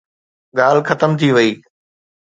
ڳالهه ختم ٿي وئي.